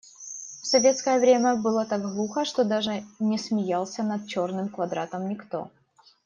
В советское время было так глухо, что даже не смеялся над «Черным квадратом» никто.